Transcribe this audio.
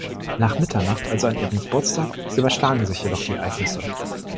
Nach Mitternacht, also an ihrem Geburtstag überschlagen sich jedoch die Ereignisse.